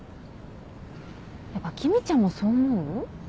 やっぱ君ちゃんもそう思う？